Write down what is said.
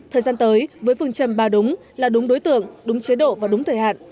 thời gian tới với phương châm ba đúng là đúng đối tượng đúng chế độ và đúng thời hạn